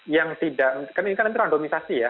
yang tidak kan ini kan nanti randomisasi ya